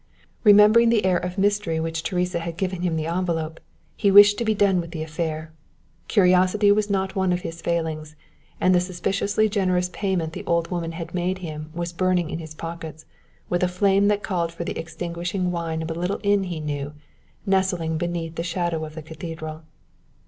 Remembering the air of mystery with which Teresa had given him the envelope, he wished to be done with the affair. Curiosity was not one of his failings, and the suspiciously generous payment the old woman had made him was burning in his pockets with a flame that called for the extinguishing wine of a little inn he knew, nestling beneath the shadow of the cathedral.